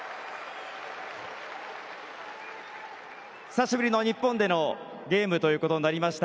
久しぶりの日本でのゲームということになりました。